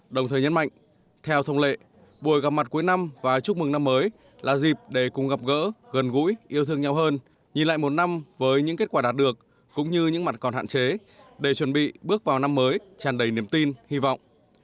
đồng thời nhấn mạnh theo thông lệ buổi gặp mặt cuối năm và chúc mừng năm mới là dịp để cùng gặp gỡ gần gũi yêu thương nhau hơn nhìn lại một năm với những kết quả đạt được cũng như những mặt còn hạn chế để chuẩn bị bước vào năm mới tràn đầy niềm tin hy vọng